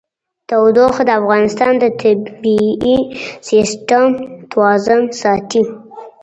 تودوخه د افغانستان د طبعي سیسټم توازن ساتي.